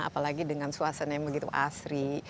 apalagi dengan suasana yang begitu asri